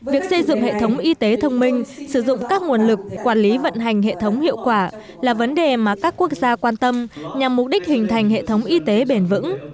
việc xây dựng hệ thống y tế thông minh sử dụng các nguồn lực quản lý vận hành hệ thống hiệu quả là vấn đề mà các quốc gia quan tâm nhằm mục đích hình thành hệ thống y tế bền vững